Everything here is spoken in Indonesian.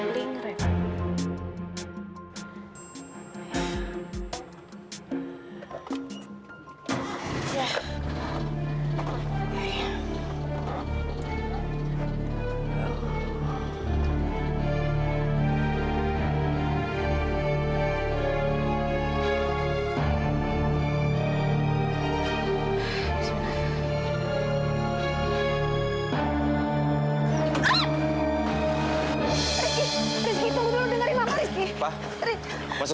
rizky buka pintunya